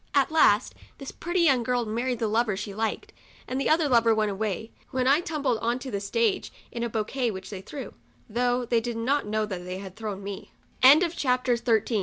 At last this pretty young girl married the lover . she liked, and the other lover went away, when I tumbled on to the stage in a bouquet which they threw, though they did not know that they had thro